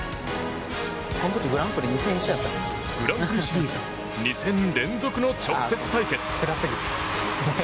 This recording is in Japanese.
グランプリシリーズ２戦連続の直接対決。